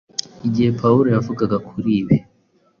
Igihe Pawulo yavugaga kuri ibi